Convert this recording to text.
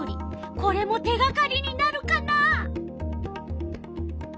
これも手がかりになるかな？